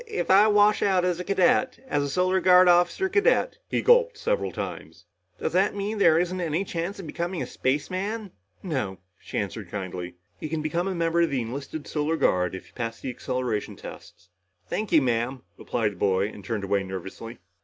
"If if I wash out as a cadet as a Solar Guard officer cadet" he gulped several times "does that mean there isn't any chance of becoming a spaceman?" "No," she answered kindly. "You can become a member of the enlisted Solar Guard, if you can pass the acceleration tests." "Thank you, Ma'am," replied the boy and turned away nervously.